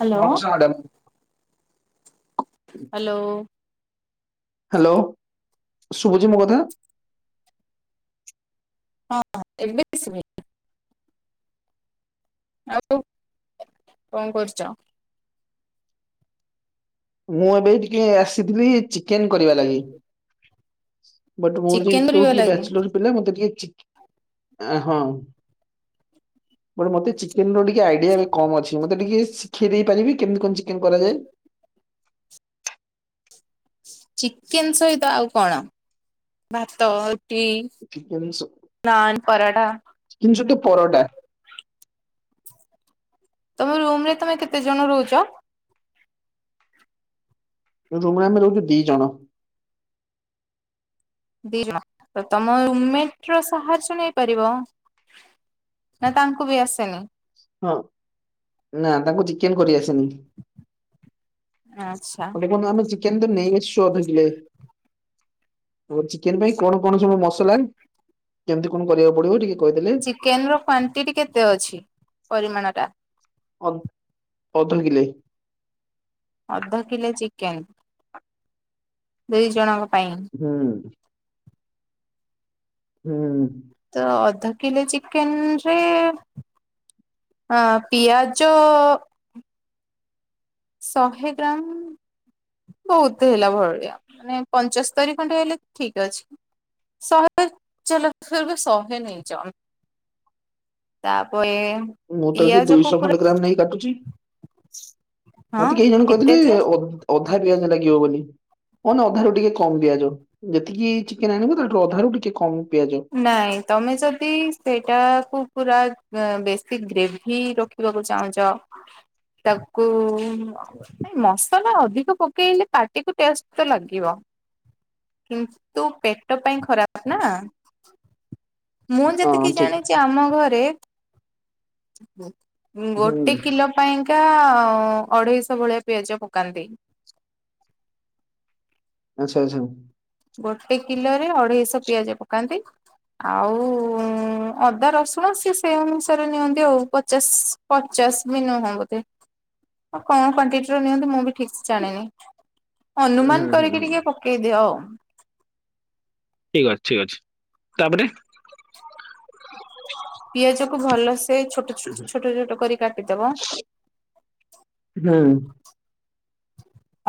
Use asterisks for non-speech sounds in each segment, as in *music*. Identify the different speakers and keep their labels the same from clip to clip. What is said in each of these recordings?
Speaker 1: Hello.
Speaker 2: ନସ୍କାର madam.
Speaker 1: Hello.
Speaker 2: Hello ଶୁଭୁଚି ମୋ କଥା।
Speaker 1: ହଁ ଏବେ ଶୁଭିଲା। ଆଉ କଣ କରୁଛ।
Speaker 2: ମୁଁ ଏବେ ଟିକେ ଆସିଥିଲି ଚିକେନ କରିବା ଲାଗି। ବଟ୍ ମୁଁ
Speaker 1: ଚିକେନ
Speaker 2: ଯେହେତୁ
Speaker 1: କରିବ
Speaker 2: ଟିକେ
Speaker 1: ଲାଗି
Speaker 2: ବ୍ୟାଚଲର ପିଲା ମତେ ଟିକେ ହଁ ବଟ ମତେ ଚିକେ ଚିକେନ ର ଟିକେ ଆଇଡିଆ ଏବେ କମ୍ ଅଛି ମତେ ଟିକେ ଶିଖେଇ ଦେଇ ପାରିବେ କେମିତି କଣ ଚିକେନ୍ କରାଯାଏ।
Speaker 1: ଚିକେନ ସହିତ ଆଉ କଣ ଭାତ। ଟି
Speaker 2: ଚିକେନ ସ
Speaker 1: ନାନ ପରଠା।
Speaker 2: ଚିକେନ ସହିତ ପରଟା।
Speaker 1: ତମ ରୁମରେ ତମେ କେତେ ଜଣ ରହୁଛ।
Speaker 2: ରୁମରେ ଆମେ ରହୁଛୁ ଦି ଜଣ।
Speaker 1: ଦି ଜଣ ତ ତମ ରୁମ୍ମେଟର ସାହାଯ୍ୟ ନେଇପାରିବ। ନା ତାଙ୍କୁ ବି ଆସେନି।
Speaker 2: ହଁ ନା ତାଙ୍କୁ ଚିକେନ କରିଆସେନି।
Speaker 1: ଆଚ୍ଛା।
Speaker 2: କେନ୍ତୁ ନେଇ ଆସିଛୁ ଅଧକିଲେ। ଆ ଚିକେନ ପାଇଁ କଣ କଣ ସବୁ ମସଲା କେମିତି କଣ କରିବାକୁ ପଡିବ ଟିକେ। କହିଦେଲେ?
Speaker 1: ଚିକେନ ର କ୍ୱଣ୍ଡିଡ଼ି କେତେ ଅଛି ପରିମାଣ ଟା।
Speaker 2: ଅ ଅଧକିଲେ।
Speaker 1: ଅଧ କିଲେ ଚିକେନ୍। ଦୁଇ ଜଣଙ୍କ ପା
Speaker 2: ହୁଁ। ହୁଁ।
Speaker 1: ତ ଅଧ କିଲୋ ଚିକେନ ରେ ହଁ ପିଆଜ ଶହେ ଗ୍ରାମ ବହୁତ ହେଲା ଭରଳିଆ ମାନେ ପଞ୍ଚସ୍ତରୀ ଖଣ୍ଡେ ହେଲେ ଠିକ ଅଛି। ସହେ ଚାଲ ଫିରବୀ ଶହେ ନଁ ଯାଅ। ତାପରେ ଏ।
Speaker 2: ମୁଁ ତ ଏଠି ଦୁଇଶହ ଖଣ୍ଡେ ଗ୍ରାମ ନେଇ କାଟୁଛି।
Speaker 1: ହଁ
Speaker 2: ମତେ କେହି ଜଣ
Speaker 1: ଏତେ
Speaker 2: କହିଥିଲେି
Speaker 1: ଯେ
Speaker 2: ଅଧା ପିଆଜ ଲାଗେ। ହେ ଅଧାରୁ ଟିକେ କମ ଦିଆଯାଉ ଯେତିକି ଚିକେନ ଆଣିବ ତାୁ ଅଧାରୁ ଟିକେ କମ। ପିଆଜ
Speaker 1: ନାଇଁ ତମେ ଯଦି ସେଇଟାକୁୁ ପୁରା ବେଶୀ ଗ୍ରେଭି ରଖିବାକୁ ଚାହୁଁଛ ତାକୁ ମସଲା ଅଧିକ ପକେଇଲେ ପାଟିକୁ ଟେଷ୍ଟ ତ ଲାଗିବ। କିନ୍ତୁ ପେଟ ପାଇଁ ଖରାପ ନା। ମୁଁ
Speaker 2: ହଁ
Speaker 1: ଯେତିକି
Speaker 2: ଠିକ
Speaker 1: ଜାଣିଛି ଆମ ଘରେ
Speaker 2: ହୁଁ
Speaker 1: ଗୋଟେ କିଲୋ ପାଇଁ ଏଇଟା ଅଢେଇଶ ଭଳିଆ ପିଆଜ ପକାନ୍ତି।
Speaker 2: ଆଛା ଆଚ୍ଛା।
Speaker 1: ଗୋଟେ କିଲୋ ରେ ଅଢେଇଶ ପିଆଜ ପକାନ୍ତି। ଆଉ ଅଦା ରସୁଣ ସି ସେଇ ଅନୁସାରେ ନିଅନ୍ତି ଆଉ ପଚାଶ ପଚା ଶ ବି ନୁହଁ, ବୋଧେ କଣ କ୍ଵଟି ର ନିଅନ୍ତି ମୁଁ ବି ଠିକ ସେ ଜାଣନି।
Speaker 2: ହୁଁ
Speaker 1: ଅନୁମାନ
Speaker 2: ହୁଁ
Speaker 1: କରିକି
Speaker 2: ହୁଁ
Speaker 1: ଟିକେ ପକେଇଦିଅ ଆଉ।
Speaker 2: ଠିକ ଅଛି ଠିକ ଅଛି ତାପରେ
Speaker 1: ପିଆଜ କ ଭଲସେ ଛୋଟ ଛୋଟ ଛୋଟ କରି କାଟିଦବ।
Speaker 2: ହଁ।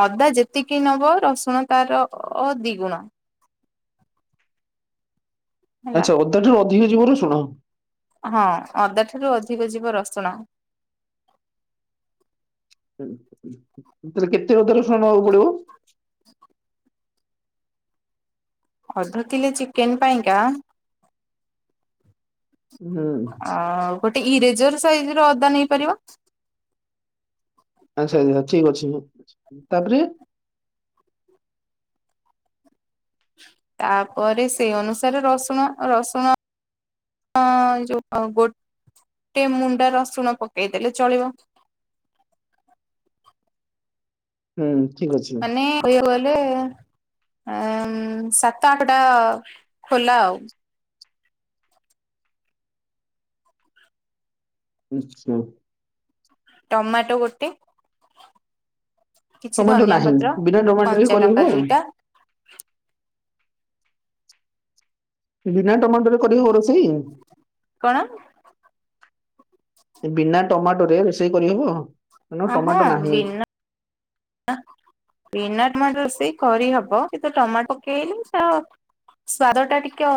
Speaker 1: ଅଦା ଯେତିକି ନବ ରସୁଣ ତାର ଦି ଗୁଣ। ହେଲା।
Speaker 2: ଆଚ୍ଛା ଅଦା ଠାରୁ ଅଧିକ ଯିବ ରସୁଣ?
Speaker 1: ହଁ ଅଦା ଠାରୁ ଅଧିକ ଯିବ ରସୁଣ।
Speaker 2: ତାଲେ କେତେ ଅଦା ରସୁଣ ନବାକୁ ପଡିବ?
Speaker 1: ଅଧ କିଲୋ ଚିକେନ ପାଇଁକା ଆ ଗୋଟେ ଇରେଜର ସାଇଜ ର ଅଦା ନେଇପାରିବ।
Speaker 2: ଆଚ୍ଛା ଆଚ୍ଛା ଠିକ ଅଛି, ତାପରେ
Speaker 1: ତାପରେ ସେଇ ଅନୁସାରେ ରସୁଣ ରସୁଣ ହଁ ଯଉ ଗୋଟ ଟିକେ ମୁଣ୍ଡା ରସୁଣ ପକେଇଦେଲେ ଚଳିବ।
Speaker 2: ହୁଁ। ଠିକ ଅଛି
Speaker 1: ମାନେ କଇବାକୁ ଗଲେ ଆଁ ସାତ ଆଠଟା ଖୋଲା ଆଉ।
Speaker 2: ଆଛା।
Speaker 1: ଟମାଟୋ ଗୋଟେ କିଛି
Speaker 2: ଟମାଟୋ
Speaker 1: ଧନିଆ
Speaker 2: ନାହିଁ
Speaker 1: ପତ୍ର
Speaker 2: ବିନା ଟମାଟୋରେ
Speaker 1: କଞ୍ଚା
Speaker 2: କରିହବ
Speaker 1: ଲଙ୍କା ଦୁଇଟା
Speaker 2: ବିନା ଟମାଟ ରେ କରି ହେବ ରୋଷେଇ?
Speaker 1: କଣ
Speaker 2: ବିନା ଟମାଟୋ ରେ ରୋଷେଇ କରିହେବ?
Speaker 1: ହଁ ବିନା *unintelligible* କରିହବ କିନ୍ତୁ ଟମାଟୋ ପକେଇଲେ ସ୍ଵାଦ ଟା ଟିକେ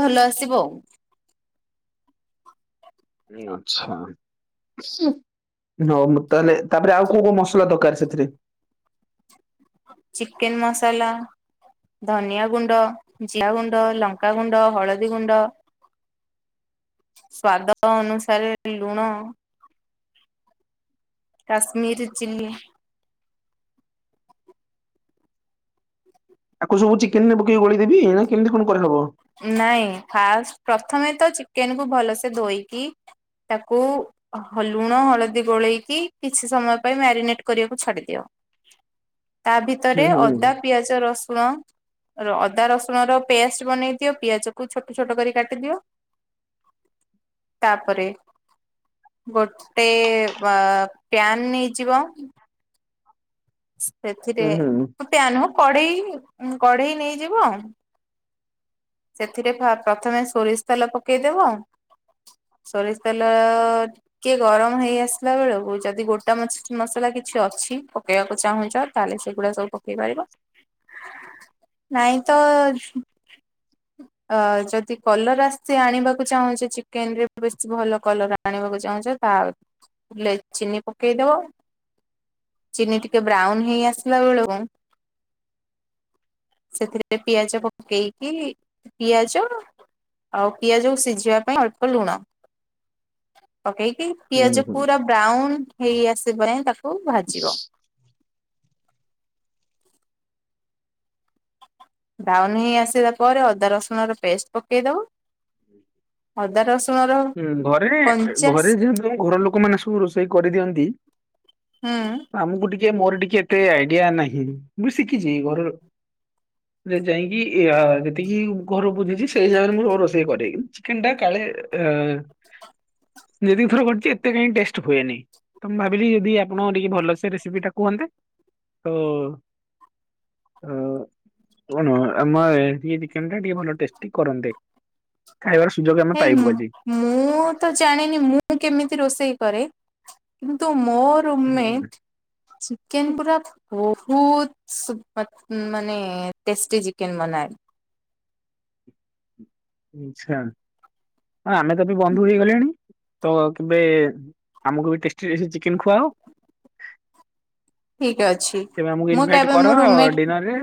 Speaker 1: ଭଲ ଆସିବ ଆଉ।
Speaker 2: ଆଛା, ହଉ ମୁଁ ତାହଲେ ତାପରେ ଆଉ କଉ କୋଉ ମସଲା ଦରକାର ସେଥିରେ?
Speaker 1: ଚିକେନ ମସଲା ଧନିଆ ଗୁଣ୍ଡ, ଜିରା ଗୁଣ୍ଡ, ଲଙ୍କାଗୁଣ୍ଡ, ହଳଦୀ ଗୁଣ୍ଡ ସ୍ଵାଦ ଅନୁସାରେ ଲୁଣ କାଶ୍ମୀର ଚିଲ୍ଲି
Speaker 2: ଆକୁ ସବୁ ଚିକେନରେ ପକେଇ ଗୋଳେଇ ଦେବି ନା କେମିତି କଣ କରିହେବ?
Speaker 1: ନାଇଁ ଫା ପ୍ରଥମେ ତ ଚିକେନ କୁ ଭଲସେ ଧୋଇକି ତାକୁ ଲୁଣ ହଳଦୀ ଗୋଳେଇକି କିଛି ସମୟ ପାଇଁ ମ୍ୟାରିନେଟ କରିବାକୁ ଛାଡିଦିଅ।
Speaker 2: *inaudible*
Speaker 1: ତା
Speaker 2: ହୁଁ
Speaker 1: ଭିତରେ
Speaker 2: ହୁଁ
Speaker 1: ଅଦା ପିଆଜ ରସୁଣ ଅଦା ରସୁଣ ର ପେଷ୍ଟ ବନେଇ ପିଆଜ କୁ ଛୋଟ ଛୋଟ କରି କାଟିଦିଅ, ତାପରେ ଗୋଟେ ପ୍ୟାନ ନେଇଯିବ ସେଥିରେ
Speaker 2: ହୁଁ ହୁଁ
Speaker 1: ପ୍ୟାନ କଢେଇ କଢେଇ ନେଇଯିବ, ଆଉ ସେଥିରେ ପ୍ରଥମେ ସୋରିଷ ତେଲ ପକେଇଦବ। ସୋରିଷ ତେଲ ଟିକେ ଗରମ ହେଇ ଆସିଲା ବେଳକୁ ଯଦି ଗୋଟା ମସଲା କି କିଛି ଅଛି ପକେଇବାକୁ ଚାହୁଁଛ ତାହେଲେ ସେଗୁଡ଼ା ସବୁ ପକେଇ ପାରିବ। ନାଇଁ ତ ଅ ଯଦି କଲର ଆସିଚି ଆଣିବାକୁ ଚାହୁଁଛେ ଚିକେନ ରେ ବେଶୀ ଭଲ କଲର ଆ ଆଣିବାକୁ ଚାହୁଁଛ ତାହେଲେ ଚିନି ପକେଇଦବ। ଚିନି ଟିକେ ବ୍ରାଉନ ହେଇ ଆସିଲା ବେଳକୁ ସେଥିରେ ପିଆଜ ପକେଇ କି ପିଆଜ ଆଉ ପିଆଜକୁ ସିଝିବା ପାଇଁ ଅଳ୍ପ ଲୁଣ
Speaker 2: *inaudible*
Speaker 1: ପକେଇକି
Speaker 2: ହୁଁ
Speaker 1: ପିଆଜ
Speaker 2: ହୁଁ।
Speaker 1: ପୁରା ବ୍ରାଉନ ହେଇ ଆସିବ ତାକୁ ଭାଜିବ। ବ୍ରାଉନ ହେଇ ଆସିଲା ପରେ ଅଦା ରସୁଣ ର ପେଷ୍ଟ ପକେଇ ଦବ
Speaker 2: ହୁଁ ଘରେ
Speaker 1: କଞ୍ଚା
Speaker 2: ଘରେ ଯେହେତୁ ଘର ଲୋକମାନେ ସବୁ ରୋଷେଇ କରିଦିଅନ୍ତି।
Speaker 1: ହୁଁ
Speaker 2: ଆମକୁ ଟି କେ ମୋର ଟିକେ ଏତେ ଆଇଡିଆ ନାହିଁ ମୁଁ ଶିଖିଚି ଘରୁ ଯେ ଯାଇକି ଇୟା ଯେତିକି ଘରୁ ବୁଝିଛି ସେଇ ଜାଗାରେ ମୁଁ ରୋଷେଇ କରେ କିନ୍ତୁ ଚିକେନ ଟା କାଳେ ଅ ଯେତିକି ଥର କରିଚି ଏତେ କାହିଁକି ଟେଷ୍ଟ ହୁଏନି। ତ ମୁଁ ଭାବିଲି ଯଦି ଆପଣ ଟିକେ ଭଲସ ରେସିପି ଟା କୁହନ୍ତେ ତ ଅ କଣ ଆମ ଚିକେନ ଟା ଟିକେ ଭଲ ଟେଷ୍ଟି କରନ୍ତେ କଖାଇବାର ସୁଯୋଗ ଆମେ
Speaker 1: ନାଇଁ
Speaker 2: ପାଇବୁ
Speaker 1: ମୁ
Speaker 2: ଆଜି।
Speaker 1: ମୁଁ ତ ଜାଣିନି ମୁଁ କେମିତି ରୋଷେଇ କରେ କିନ୍ତୁ ମୋ ରୁମ ମେଟ୍ ଚିକେନ ପୁରା ଓ ବହୁତ୍ ସୁପର୍ ମାନେ ଟେଷ୍ଟି ଚିକେନ ବନାଏ।
Speaker 2: ଆଛା ଆମେ ତ ବି ବନ୍ଧୁ ହେଇଗଲେଣି। ତ କେବେ ଆମକୁ ବି ଟେଷ୍ଚି ଟେଷ୍ଟି ଚିକେନ ଖୁଆଅ।
Speaker 1: ଠିକ ଅଛି।
Speaker 2: ତେବେ ଆମକୁ
Speaker 1: ମୁଁ
Speaker 2: ଇନ୍ ଭାଇଟ୍
Speaker 1: କେବେ ମୋ
Speaker 2: କର
Speaker 1: ରୁମମେଟ
Speaker 2: ଡିନରରେ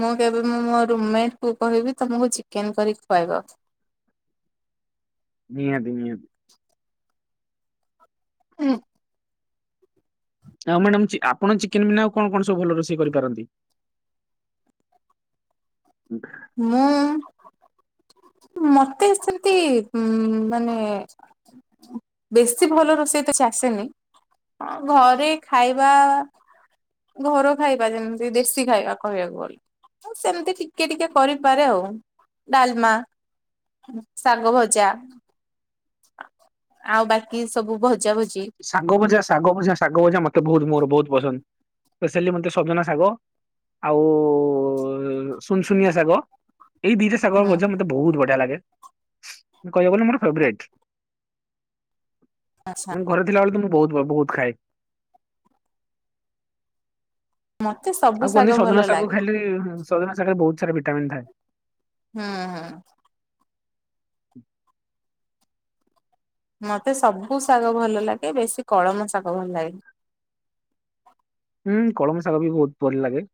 Speaker 1: ମୁଁ କେବେ ମୁଁ ମୋ ରୁମ ମେଟ୍ କୁ କହିବି ତମକୁ ଚିକେନ କରି ଖୁଆଇବ।
Speaker 2: ନିହାତି ନିହାତି। ଉ ଆଉ ମ୍ୟାଡାମ ଚି ଆପଣ ଚିକେନ ବିନା ଆଉ କଣ କଣ ସବୁ ଭଲ ରୋଷେଇ କରିପାରନ୍ତି? *inaudible*
Speaker 1: ମୁଁ ମତେ ସେମିତି ଉ ମାନେ ବେଶୀ ଭଲ ରୋଷେଇ ତ କିଛି ଆସେନି। ହଁ ଘରେ ଖାଇବା ଘର ଖାଇ ବା ଯେମିତି ଦେଶୀ ଖାଇବା କହିବାକୁ ଗଲେ। ମୁଁ ସେମିତି ଟିକେ ଟିକେ କରିପାରେ ଆଉ ଡ଼ାଲମା। ଶାଗ ଭଜା ଆଉ ବାକି ସବୁ ଭ
Speaker 2: ଶାଗ ଭଜା ଶାଗ ଭଜା ଶାଗ ଭଜା ମତେ ବହୁତ ମୋର ବହୁତ୍ ପସନ୍ଦ ପେସେଲି ମତେ ସଜନା ଶାଗ ଆଉ ଉ ଉ ଉ ସୁନସୁନିଆ ଶାଗ ଏଇ ଦିଟା
Speaker 1: ହୁଁ
Speaker 2: ଶାଗର ଭଜା ମତେ ବହୁତ ବଢିଆ ଲାଗେ। କହିବାକୁ ଗଲେ ମୋର ଫେବ୍ରେଟ୍।
Speaker 1: ଆଚ୍ଛା
Speaker 2: ମୁଁ ଘରେ ଥିଲା ବେଳେ ତ ମୁଁ ବହୁତ ଭ ବହୁତ ଖାଏ।
Speaker 1: ମତେ ସବୁ
Speaker 2: ଆଉ
Speaker 1: ଶାଗ
Speaker 2: କୁହନ୍ତି
Speaker 1: ଭଲ
Speaker 2: ସଜନା ଶାଗକୁ
Speaker 1: ଲାଗେ।
Speaker 2: ଖାଇଲେ ସଜନା ଶାଗ ରେ ବହୁତ ସାରା ଭିଟାମିନ ଥାଏ।
Speaker 1: ହୁଁ ହୁଁ।
Speaker 2: ଉ
Speaker 1: ମତେ ସବୁ ଶାଗ ଭଲ ଲାଗେ ବେଶୀ କଳମ ଶାଗ ଭଲ ଲାଗେ।
Speaker 2: *unintelligible* ହୁଁ କଳମ ଶାଗବି ବହୁତ ଭଲ ଲାଗେ।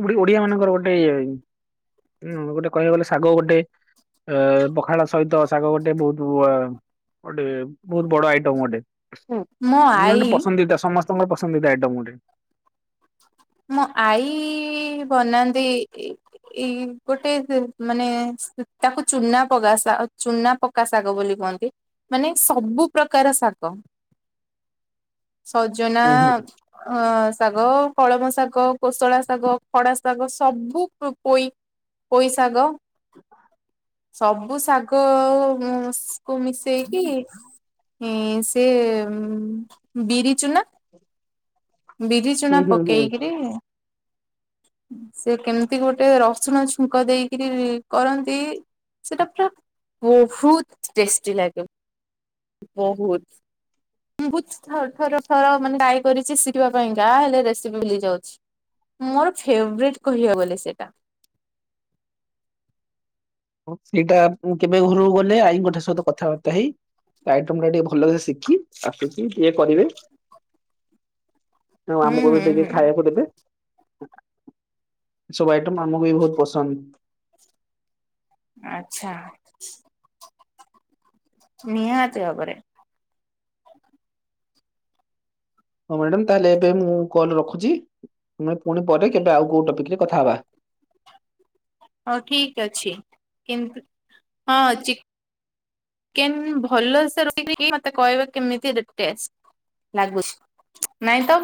Speaker 2: ଓଡ଼ି ଓଡିଆ ମାନଙ୍କର ଗୋଟେ ଉ ଗୋଟେ କହିବାକୁ ଗଲେ ଶାଗ ଗୋଟେ ଏ ପଖାଳ ସହିତ ଶାଗ ଗୋଟେ ବହୁତ ଗୋଟେ ବହୁତ୍ ବଡ଼ ଆଇଟମ ଗୋଟେ।
Speaker 1: ମୋ ଆଈ
Speaker 2: ମାନେ ପସନ୍ଦିତା ସମସ୍ତଙ୍କର ପସନ୍ଦିତା ଆଇଟମ ଗୋଟେ।
Speaker 1: ମୋ ଆଈ ବନାନ୍ତି। ଏଇ ଗୋଟେ ମାନେ ତାକୁ ଚୁନା ପକା ଶା ଚୁନା ପକା ଶାଗ ବୋଲି କୁହନ୍ତି ମାନେ ସବୁ ପ୍ରକାର ଶାଗ।
Speaker 2: *inaudible*
Speaker 1: ସଜନା
Speaker 2: ହୁଁ ହୁଁ
Speaker 1: ଅ ଶାଗ କଳମ ଶାଗ କୋଶଳା ଶାଗ। ଖଡ଼ା ଶାଗ ସବୁ ପୋଇ ପୋଇ ଶାଗ। ସବୁ ଶାଗ କୁ ମିଶ ସେଇକି ସେ ବିରି ଚୁନା ବିରି
Speaker 2: ହୁଁ
Speaker 1: ଚୁନା
Speaker 2: ହୁଁ ହୁଁ।
Speaker 1: ପକେଇକିରି
Speaker 2: *inaudible*
Speaker 1: ସେ କେମିତି ଗୋଟେ ରସୁଣ ଛୁଙ୍କ ଦେଇକିରି କରନ୍ତି। ସେଟା ପୁରା ବହୁତ ଟେଷ୍ଟି ଲାଗେ। ବହୁତ ବହୁତ ଥର ଥର ମାନେ ଟ୍ରାଇ କରିଛି ସି ଖିବା ପାଇଁ କା ହେଲେ ରେସିପି ଭୁୁଲିଯାଉଛି। ମୋର ଫେଭରେଟ୍ କହିବା ଗଲେ ସେଇଟା।
Speaker 2: *inaudible* ସେଇଟା ମୁଁ କେବେ ଘରକୁ ଗଲେ ଆଈଙ୍କଠ ସହିତ କଥାବାର୍ତ୍ତା ହେଇ ଆଇଟମ ଟା ଟିକେ ଭଲସେ ଶିଖି ଆସିକି ଟିକେ କରିବେ। ହ
Speaker 1: ହୁଁ
Speaker 2: ଆମକୁ
Speaker 1: ହୁଁ
Speaker 2: ଟିକେ
Speaker 1: ହୁଁ
Speaker 2: ଖାଇବାକୁ ଦେବେ ସବୁ ମାମୁଁକୁ ବି ବହୁତ ପସନ୍ଦ।
Speaker 1: ଆଚ୍ଛା। ନିହାତି ଭାବରେ।
Speaker 2: ହଁ ମ୍ୟାଡ଼ାାମ ତାହେଲେ ଏବେ ମୁଁ କଲ ରଖୁଛି। ତମେ ପୁଣି ପରେ କେବେ ଆଉ କୋଉ ଟପିକରେ କଥା ହବା।
Speaker 1: ହଁ ଠିକ ଅଛି କିନ୍ତୁ ହଁ ଚି କେନ୍ ଭଲସେ ରୋଷେଇ କରିକି ମତେ କହିବେ କେମିତି ରେଟେଷ୍ଟ। ନାଗୁୁଛି ନାଇଁ ତ।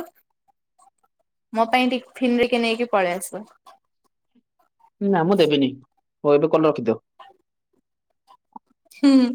Speaker 1: ମୋ ପାଇଁ ଟିଫିିନ ଟିକେ ନେଇକି ପଳେଇ ଆସିବ।
Speaker 2: ନା ମୁଁ ଦେବିନି ହଉ ଏବେ କଲ ରଖିଦିଅ।
Speaker 1: ହୁଁ।